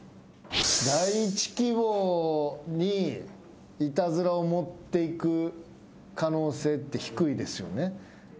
第一希望にイタズラを持っていく可能性って低いですよね？